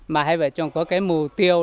mà hai vợ chồng có cái mục tiêu